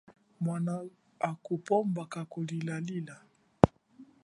Mwana hakupomba kaku lilalila.